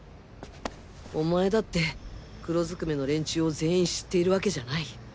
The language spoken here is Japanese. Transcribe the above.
お前だって黒ずくめの連中を全員知っているわけじゃない。